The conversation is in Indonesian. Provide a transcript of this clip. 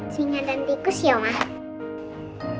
singa dan tikus ya mas